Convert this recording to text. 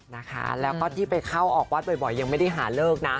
นะคะแล้วก็ที่ไปเข้าออกวัดบ่อยยังไม่ได้หาเลิกนะ